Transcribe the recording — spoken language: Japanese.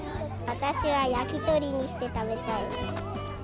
私は焼き鳥にして食べたい。